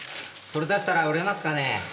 それ出したら売れますかねえ。